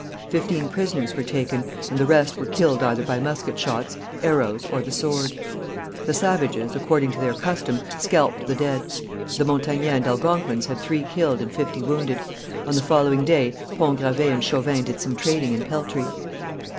Fifteen prisoners were taken, and the rest were killed either by musket shots, arrows, or the sword. The savages, according to their custom, scalped the dead. The Montagnais and Algonquins had three killed and fifty wounded. On the following day Pont Gravé and Chauvin did some trading in peltry.